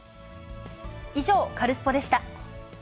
以上、カルスポっ！でした。